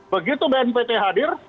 begitu bnpt hadir